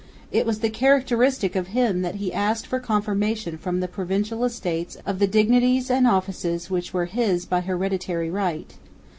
It was characteristic of him that he asked for confirmation from the Provincial Estates of the dignities and offices which were his by hereditary right.